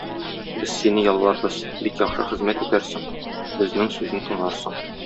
Без сине ялларбыз, бик яхшы хезмәт итәрсең, безнең сүзне тыңларсың.